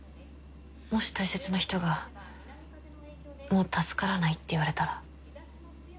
もし大切な人が「もう助からない」って言われたら。